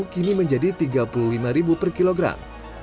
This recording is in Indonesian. kini menjadi rp tiga puluh lima per kilogram